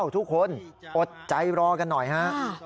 ทุกคนอดใจรอกันหน่อยฮะ